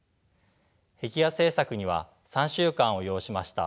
壁画制作には３週間を要しました。